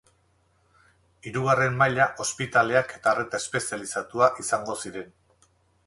Hirugarren maila ospitaleak eta arreta espezializatua izango ziren.